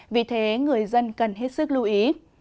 vì thế người dân cần hết sức lưu ý